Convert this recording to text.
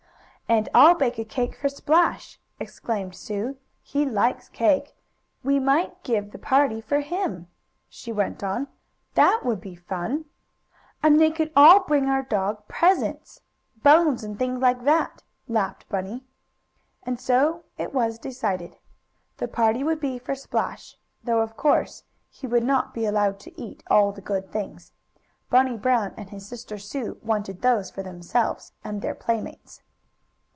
"And I'll bake a cake for Splash!" exclaimed Sue. "He likes cake. We might give the party for him," she went on. "That would be fun!" "And they could all bring our dog presents bones and things like that," laughed Bunny. And so it was decided. The party would be for Splash, though of course he would not be allowed to eat all the good things. Bunny Brown and his sister Sue wanted those for themselves and their playmates.